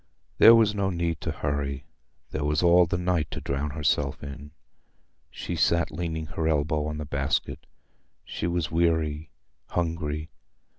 There was no need to hurry—there was all the night to drown herself in. She sat leaning her elbow on the basket. She was weary, hungry.